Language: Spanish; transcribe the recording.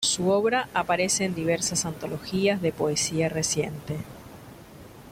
Su obra aparece en diversas antologías de poesía reciente.